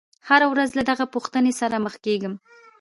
هره ورځ له دغې پوښتنې سره مخ کېږم.